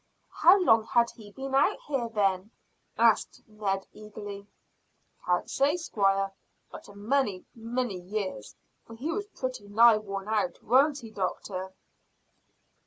"How long had he been out here, then?" asked Ned eagerly. "Can't say, squire; but a many, many years, for he was pretty nigh worn out, warn't he, doctor?"